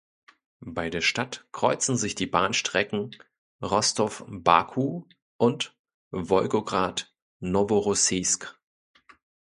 Bei der Stadt kreuzen sich die Bahnstrecken Rostow–Baku und Wolgograd–Noworossijsk.